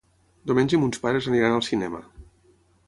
Diumenge mons pares aniran al cinema.